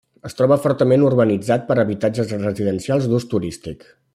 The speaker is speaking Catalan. Es troba fortament urbanitzat per habitatges residencials d'ús turístic.